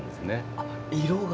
あっ色が。